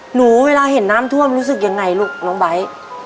เวลาเห็นน้ำท่วมรู้สึกยังไงลูกน้องไบท์